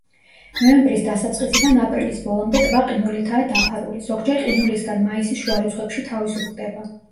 ნოემბრის დასაწყისიდან აპრილის ბოლომდე ტბა ყინულითაა დაფარული, ზოგჯერ ყინულისგან მაისის შუა რიცხვებში თავისუფლდება.